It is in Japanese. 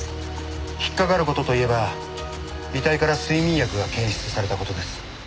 引っかかる事といえば遺体から睡眠薬が検出された事です。